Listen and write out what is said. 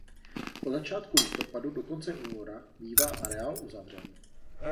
Od začátku listopadu do konce února bývá areál uzavřen.